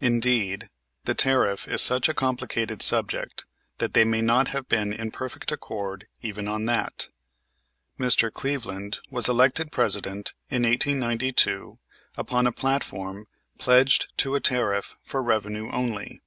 Indeed, the tariff is such a complicated subject that they may not have been in perfect accord even on that. Mr. Cleveland was elected President in 1892 upon a platform pledged to a tariff for revenue only.